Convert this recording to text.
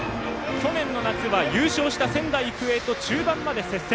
去年の夏は優勝した仙台育英と中盤まで接戦。